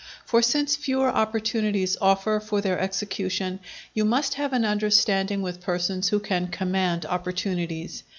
For since fewer opportunities offer for their execution, you must have an understanding with persons who can command opportunities.